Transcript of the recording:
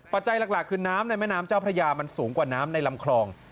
จัยหลักคือน้ำในแม่น้ำเจ้าพระยามันสูงกว่าน้ำในลำคลอง